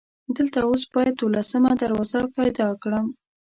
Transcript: دلته اوس باید دولسمه دروازه پیدا کړم.